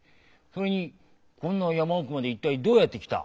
それにこんな山奥まで一体どうやって来た？